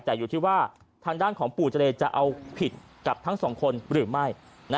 แต่อยู่ที่ว่าทางด้านของปู่เจรจะเอาผิดกับทั้งสองคนหรือไม่